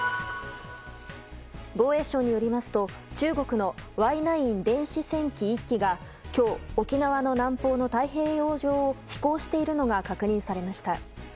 防衛省によりますと中国のＹ９電子戦機１機が今日、沖縄の南方の太平洋上を飛行しているのが確認されました。